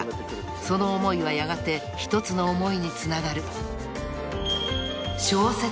［その思いはやがて一つの思いにつながる］